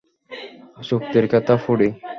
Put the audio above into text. চুক্তির খেতা পুড়ি।